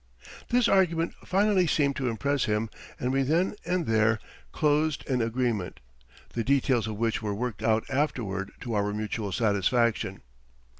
This argument finally seemed to impress him and we then and there closed an agreement, the details of which were worked out afterward to our mutual satisfaction.